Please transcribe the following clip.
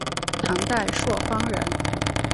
唐代朔方人。